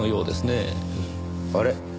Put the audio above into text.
あれ？